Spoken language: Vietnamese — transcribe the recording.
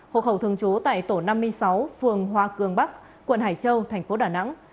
hồ hậu thường chú tại tổ năm mươi sáu phường hòa cường bắc quận hải châu tp đà nẵng